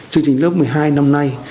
chương trình lớp một mươi hai năm nay